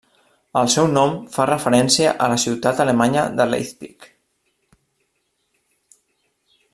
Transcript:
El seu nom fa referència a la ciutat alemanya de Leipzig.